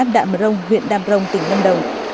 đạm rông huyện đạm rông tỉnh lâm đồng